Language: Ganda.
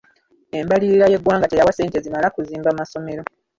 Embalirira y'eggwanga teyawa ssente zimala kuzimba masomero.